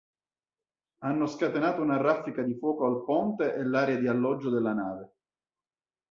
Hanno scatenato una raffica di fuoco al ponte e l'area di alloggio della nave.